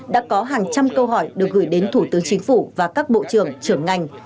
đã có hàng trăm câu hỏi được gửi đến thủ tướng chính phủ và các bộ trưởng trưởng ngành